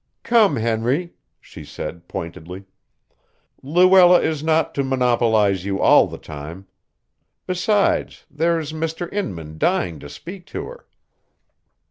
"Come, Henry," she said pointedly, "Luella is not to monopolize you all the time. Besides, there's Mr. Inman dying to speak to her."